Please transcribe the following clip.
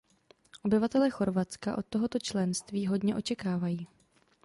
Obyvatelé Chorvatska od tohoto členství hodně očekávají.